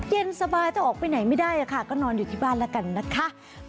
เย็นสบายแต่ออกไปไหนไม่ได้ค่ะก็นอนอยู่ที่บ้านแล้วกันนะคะ